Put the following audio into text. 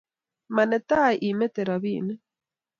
Ma netai imetoi robinik